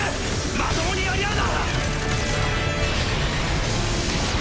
まともにやり合うな！